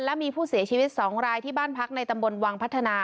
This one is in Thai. และมีผู้เสียชีวิต๒รายที่บ้านพักในตำบลวังพัฒนา